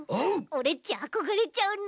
オレっちあこがれちゃうな。